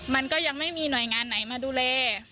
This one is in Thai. มันก็ยังไม่มีหน่วยงานไหนมาดูแล